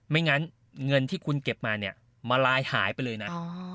ไม่งั้นเงินที่คุณเก็บมาเนี่ยมาลายหายไปเลยนะ